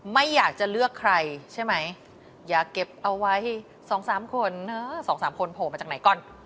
ไม่อยากจะเลือกใครใช่ไหมอย่าเก็บเอาไว้๒๓คน๒๓คนโผล่มาจากไหนก่อน